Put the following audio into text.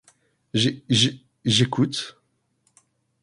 J’é, j’é, j’écoute.